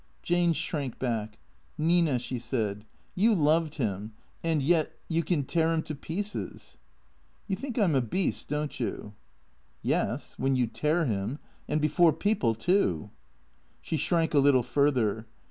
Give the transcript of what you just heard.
Jane shrank back. " Nina," she said, " you loved him. And yet — you can tear him to pieces." " You think I 'm a beast, do you ?"" Yes. When you tear him — and before people, too." She shrank a little further.